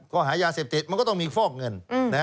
ข้อหายาเสพติดมันก็ต้องมีฟอกเงิน